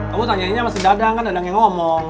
kamu tanyainya masih dadang kan dadangnya ngomong